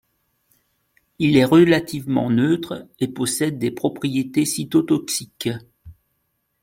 Elle est relativement neutre et possède des propriétés cytotoxiques.